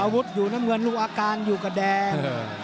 ร่อยอยู่ร่อยอยู่กับแดง